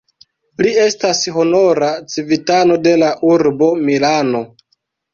Li estas honora civitano de la urbo Milano.